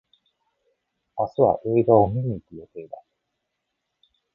明日は映画を観に行く予定だ。